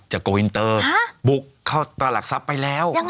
โกวินเตอร์บุกเข้าตลาดหลักทรัพย์ไปแล้ว